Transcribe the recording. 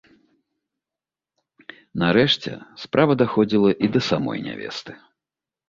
Нарэшце, справа даходзіла і да самой нявесты.